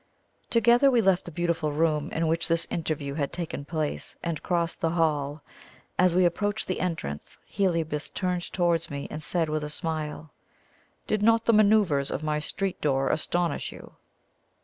Together we left the beautiful room in which this interview had taken place, and crossed the hall. As we approached the entrance, Heliobas turned towards me and said with a smile: "Did not the manoeuvres of my street door astonish you?"